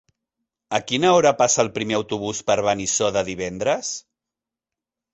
A quina hora passa el primer autobús per Benissoda divendres?